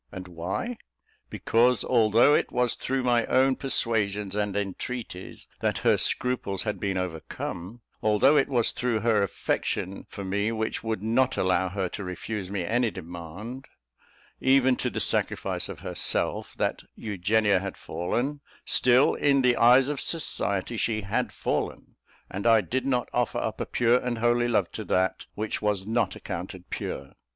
And why? Because although it was through my own persuasions and entreaties that her scruples had been overcome; although it was through her affection for me which would not allow her to refuse me any demand, even to the sacrifice of herself, that Eugenia had fallen, still, in the eyes of society, she had fallen; and I did not offer up a pure and holy love to that which was not accounted pure.